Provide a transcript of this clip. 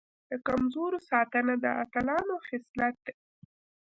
د کمزورو ساتنه د اتلانو خصلت دی.